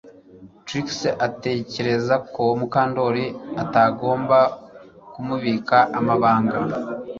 Trix atekereza ko Mukandoli atagomba kumubika amabanga